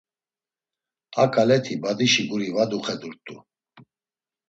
A ǩaleti badişi guri va duxedurt̆u.